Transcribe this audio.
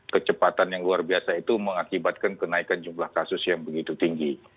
kecepatan yang luar biasa itu mengakibatkan kenaikan jumlah kasus yang begitu tinggi